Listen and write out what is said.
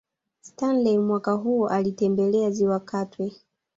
Stanley mwaka huo alitembelea Ziwa Katwe